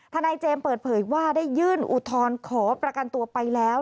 นายเจมส์เปิดเผยว่าได้ยื่นอุทธรณ์ขอประกันตัวไปแล้ว